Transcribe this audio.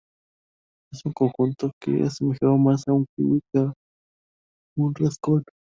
En su conjunto se asemejaba más a un kiwi que a un rascón.